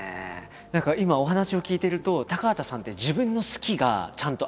何か今お話を聞いていると高畑さんって自分の「好き」がちゃんとあるじゃないですか。